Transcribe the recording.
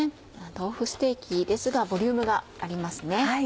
豆腐ステーキですがボリュームがありますね。